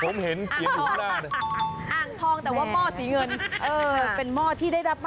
ผมเห็นเกียรติภูมิได้